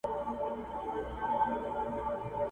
شهنشاه یمه د غرونو زه زمری یم.!